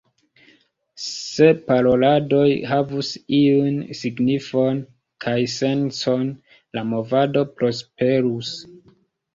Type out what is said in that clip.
Se paroladoj havus iun signifon kaj sencon, la movado prosperus.